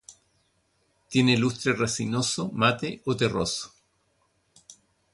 Tiene lustre resinoso, mate o terroso.